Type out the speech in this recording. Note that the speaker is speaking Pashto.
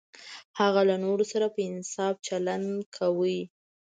هغه له نورو سره په انصاف چلند کاوه.